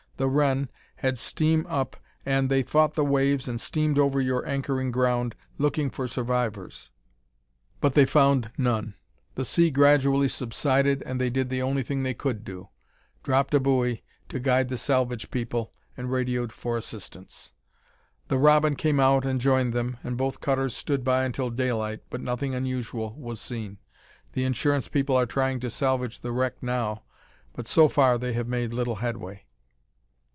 The Wren had steam up and they fought the waves and steamed over your anchoring ground looking for survivors, but they found none. The sea gradually subsided and they did the only thing they could do dropped a buoy, to guide the salvage people, and radioed for assistance. The Robin came out and joined them, and both cutters stood by until daylight, but nothing unusual was seen. The insurance people are trying to salvage the wreck now, but so far they have made little headway."